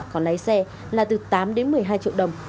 có lái xe là từ tám đến một mươi hai triệu đồng